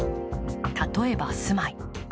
例えば、住まい。